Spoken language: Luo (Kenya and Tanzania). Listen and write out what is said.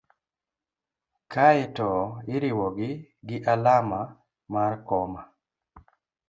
kae to iriwogi gi alama mar koma.